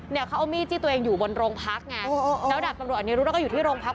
เนี่ยเขาเอามีดที่ตัวเองอยู่บนโรงพักไงแล้วดาบตำรวจอนิรุธแล้วก็อยู่ที่โรงพัก